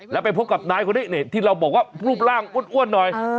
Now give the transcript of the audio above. แล้วไปพบกับนายคนนี้ที่เราบอกว่ารูปร่างอ้วนหน่อย